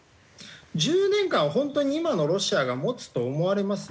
１０年間本当に今のロシアが持つと思われます？